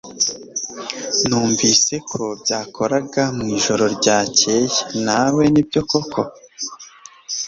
Numvise ko byakoraga mwijoro ryakeye nawe Nibyo koko?